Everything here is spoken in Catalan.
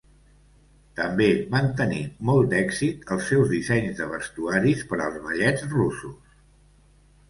També van tenir molt d'èxit els seus dissenys de vestuaris per als Ballets Russos.